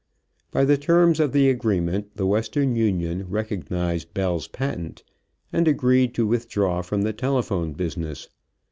By the terms of the agreement the Western Union recognized Bell's patent and agreed to withdraw from the telephone business.